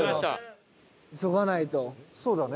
そうだね。